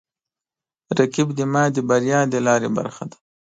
رقیب زما د بریا د لارې برخه ده